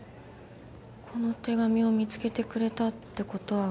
「この手紙を見つけてくれたってことは」